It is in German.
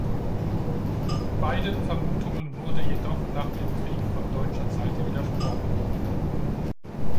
Beiden Vermutungen wurde jedoch nach dem Krieg von deutscher Seite widersprochen.